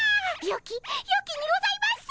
よきにございます！